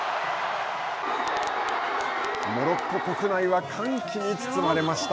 モロッコ国内は歓喜に包まれました。